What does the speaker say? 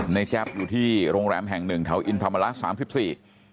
แจ๊บอยู่ที่โรงแรมแห่งหนึ่งแถวอินธรรมระสามสิบสี่